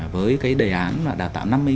với cái đề án là đào tạo năm mươi